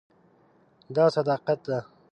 دا صداقت ده.